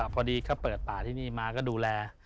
พอดีเขาเปิดป่าที่นี่มาก็ดูแล